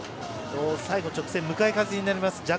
最後の直線、向かい風になります。